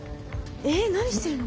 えっ何してるの？